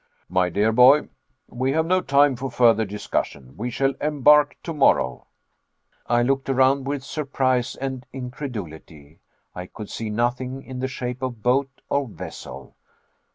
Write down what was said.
"My dear boy, we have no time for further discussion. We shall embark tomorrow." I looked around with surprise and incredulity. I could see nothing in the shape of boat or vessel.